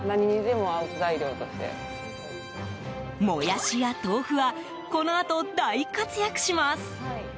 モヤシや豆腐はこのあと大活躍します。